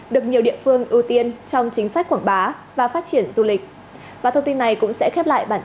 được nhiều địa phương ưu tiên trong chính sách quảng bá và phát triển du lịch